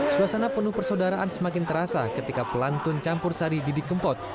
suasana penuh persaudaraan semakin terasa ketika pelantun campur sari didi kempot